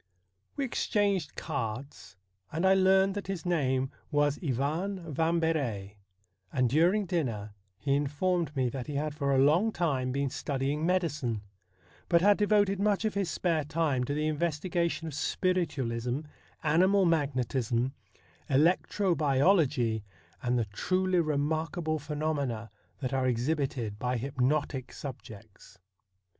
We exchanged cards, and I learned that his name was Ivan Vambery, and during dinner he informed me that he had for a long time been studying medicine, but had devoted much of his spare time to the investigation of spiritualism, animal magnetism, electro biology, and the truly remarkable pheno mena that are exhibited by hypnotic subjects.